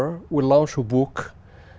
chúng tôi đã xây dựng một bức tượng